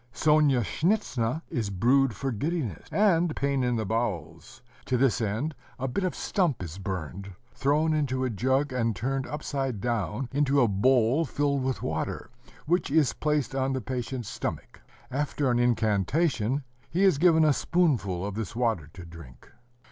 Sonyashnitza is brewed for giddiness, and pain in the bowels. To this end, a bit of stump is burned, thrown into a jug, and turned upside down into a bowl filled with water, which is placed on the patient's stomach: after an incantation, he is given a spoonful of this water to drink.